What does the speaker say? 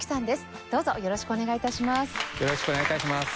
どうぞよろしくお願い致します。